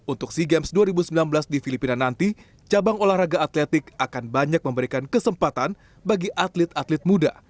untuk sea games dua ribu sembilan belas di filipina nanti cabang olahraga atletik akan banyak memberikan kesempatan bagi atlet atlet muda